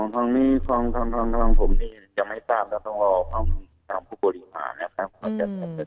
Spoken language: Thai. อ๋อทางนี้ทางผมนี้จะไม่ตามจะต้องรอข้างผู้บริหารนะครับ